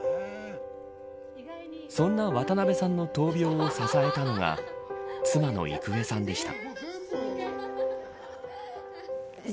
そんな渡辺さんの闘病を支えたのが妻の郁恵さんでした。